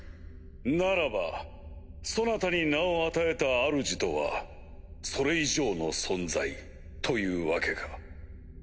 ならばそなたに名を与えたあるじとはそれ以上の存在というわけか。